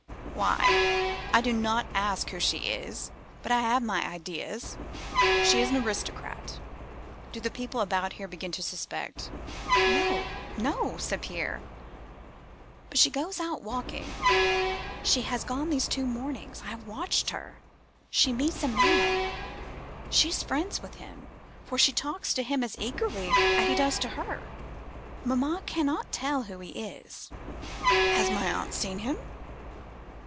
"'Why? I do not ask who she is, but I have my ideas. She is an aristocrat. Do the people about here begin to suspect her?' "'No, no!' said Pierre. 'But she goes out walking. She has gone these two mornings. I have watched her. She meets a man—she is friends with him, for she talks to him as eagerly as he does to her—mamma cannot tell who he is.' "'Has my aunt seen him?